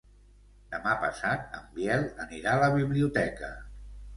Demà passat en Biel anirà a la biblioteca.